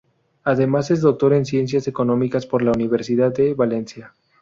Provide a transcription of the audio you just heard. Además, es doctor en Ciencias Económicas por la Universidad de Valencia.